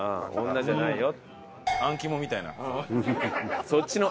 「女じゃないよ」。